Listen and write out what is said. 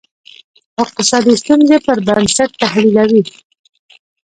اقتصادي ستونزې پر بنسټ تحلیلوي.